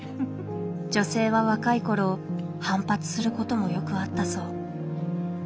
女性は若いころ反発することもよくあったそう。